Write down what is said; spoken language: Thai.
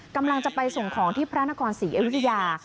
กำลังจะไปส่งของที่พระนครศรีอยุธยา